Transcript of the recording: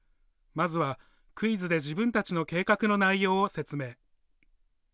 まずはクイズで自分たちの計画の内容を説明。